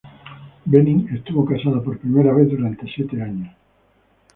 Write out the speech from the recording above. Bening estuvo casada por primera vez durante siete años.